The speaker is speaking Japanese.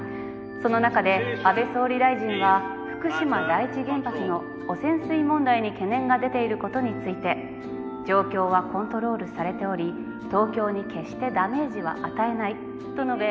その中で安倍総理大臣は福島第一原発の汚染水問題に懸念が出ていることについて状況はコントロールされており東京に決してダメージは与えないと述べ。